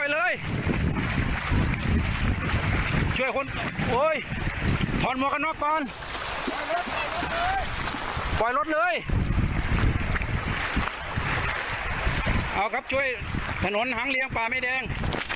เอาครับช่วยถนนหางเลี้ยงป่าไม่แดง